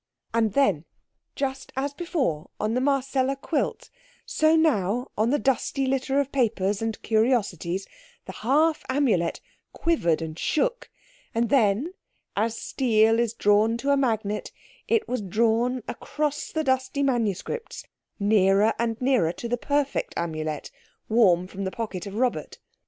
And then, just as before on the Marcella quilt, so now on the dusty litter of papers and curiosities, the half Amulet quivered and shook, and then, as steel is drawn to a magnet, it was drawn across the dusty manuscripts, nearer and nearer to the perfect Amulet, warm from the pocket of Robert.